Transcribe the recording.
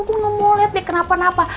aku mau lihat dia kenapa napa